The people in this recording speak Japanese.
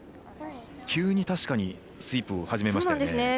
急に確かにスイープを始めましたよね。